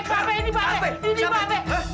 pergi gak lu